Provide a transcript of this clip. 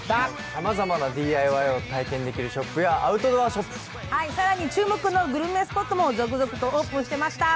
さまざまなＤＩＹを体験できるショップに更に注目のグルメスポットも続々とオープンしてました。